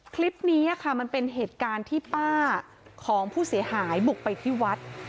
คลิปนี้ค่ะมันเป็นเหตุการณ์ที่ป้าของผู้เสียหายบุกไปที่วัด